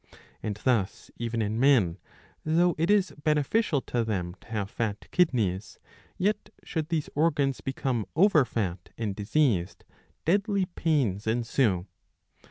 And thus even in men, though it is beneficial to them to have fat kidneys, yet should these organs become over fat and diseased, deadly pains ensue.